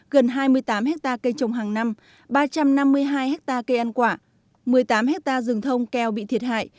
gần hai mươi tám ha cây trồng hàng năm ba trăm năm mươi hai ha cây ăn quả một mươi tám ha rừng thông keo bị thiệt hại